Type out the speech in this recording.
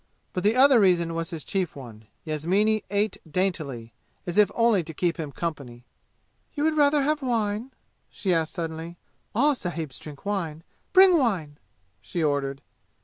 But the other reason was his chief one. Yasmini ate daintily, as if only to keep him company. "You would rather have wine?" she asked suddenly. "All sahibs drink wine. Bring wine!" she ordered.